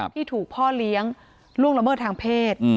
ที่ถูกพ่อเลี้ยงล่วงละเมิดทางเพศ